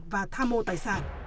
và tham mô tài sản